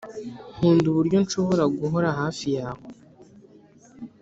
nkunda uburyo nshobora guhora hafi yawe